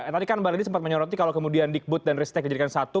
tadi kan mbak lady sempat menyoroti kalau kemudian digbud dan ristek dijadikan satu